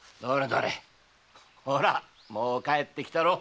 どれほらもう帰ってきたろう？